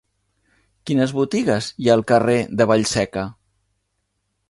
Quines botigues hi ha al carrer de Vallseca?